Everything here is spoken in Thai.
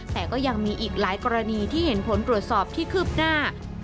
แต่ก็ยังมีอีกหลายกรณีที่เห็นผลตรวจสอบที่คืบหน้า